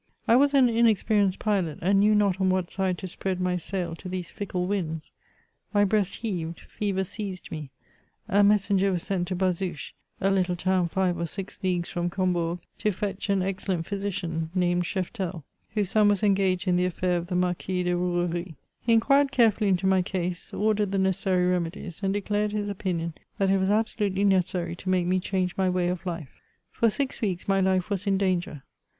I was an inexperienced pilot, and knew not on what side to spread my sail to these fiekle winds. My breast heaved, fever seized me ; a messenger was sent to Bazouches, a little town five or six leagues from Combourg, to fetch an excellent physician, named Chefitel, whose son was engaged in the affair of the Marquis de Bouerie.* He inquired carefully into my case, ordered the necessary remedies, and declared his opinion that it was absolutely necessary to make me change my way of life. For six weeks my life was in danger.